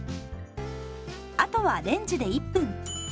あとはレンジで１分。